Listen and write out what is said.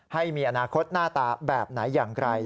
ให้มีอนาคตหน้าตาแบบไหนอย่างไร